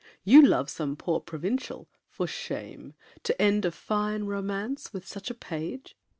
You love some poor provincial! For shame! To end a fine romance with such A page!